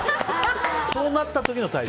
そうなった時の対処